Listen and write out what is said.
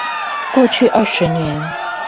過去二十年